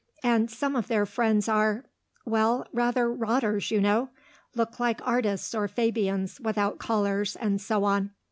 And some of their friends are ... well, rather rotters, you know. Look like artists, or Fabians, without collars, and so on....